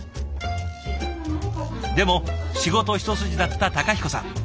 でも仕事一筋だった孝彦さん。